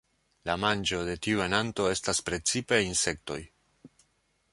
La manĝo de tiu enanto estas precipe insektoj.